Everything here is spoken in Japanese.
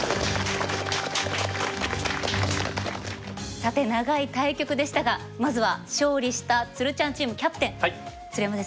さて長い対局でしたがまずは勝利したつるちゃんチームキャプテン鶴山先生